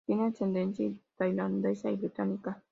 Tiene ascendencia tailandesa y británica.